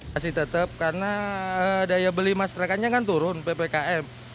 masih tetap karena daya beli masyarakatnya kan turun ppkm